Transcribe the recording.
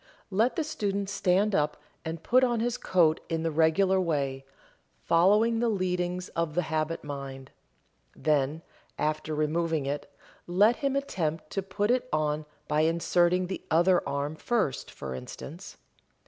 Let the student stand up and put on his coat in the regular way, following the leadings of the habit mind. Then, after removing it, let him attempt to put it on by inserting the other arm first, for instance.